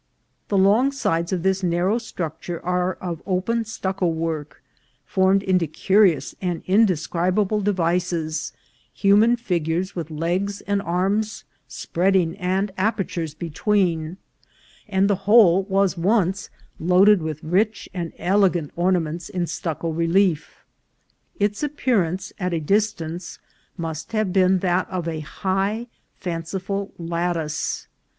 The long sides of this narrow struc ture are of open stucco work, formed into curious and indescribable devices, human figures with legs and arms spreading and apertures between ; and the whole was once loaded with rich and elegant ornaments in stucco relief. Its appearance at a distance must have been that of a high, fancifal lattice.